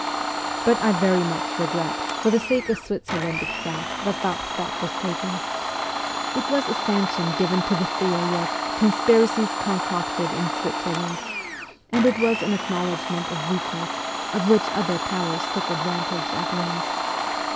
But I very much regret, for the sake of Switzerland itself, that that step was taken. It was a sanction given to the theory of ' conspiracies con cocted in Switzerland,' and it was an acknowledgment of weakness, of which other powers took advantage at once.